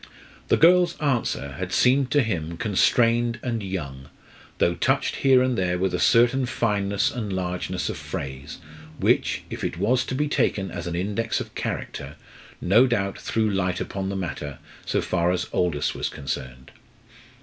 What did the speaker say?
The girl's answer had seemed to him constrained and young, though touched here and there with a certain fineness and largeness of phrase, which, if it was to be taken as an index of character, no doubt threw light upon the matter so far as Aldous was concerned.